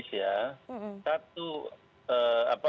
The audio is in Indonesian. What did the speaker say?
satu kebijakan terkait dengan kedaruratan